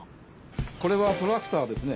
これはトラクターですね。